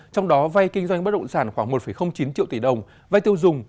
trong đó vay kinh doanh bất động sản khoảng một chín triệu tỷ đồng vay tiêu dùng